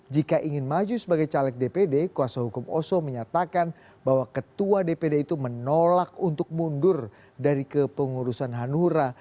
jika ingin maju sebagai caleg dpd kuasa hukum oso menyatakan bahwa ketua dpd itu menolak untuk mundur dari kepengurusan hanura